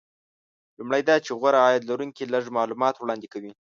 لومړی دا چې غوره عاید لرونکي لږ معلومات وړاندې کوي